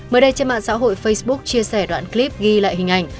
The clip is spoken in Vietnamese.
mới đây trên mạng xã hội facebook chia sẻ đoạn clip ghi lại hình ảnh